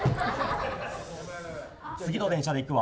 次の電車で行くわ。